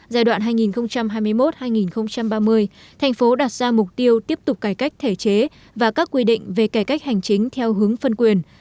giai đoạn hai nghìn hai mươi một hai nghìn ba mươi thành phố đặt ra mục tiêu tiếp tục cải cách thể chế và các quy định về cải cách hành chính theo hướng phân quyền